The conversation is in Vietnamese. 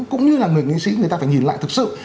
cũng như là người nghệ sĩ người ta phải nhìn lại thực sự